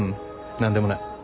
何でもない。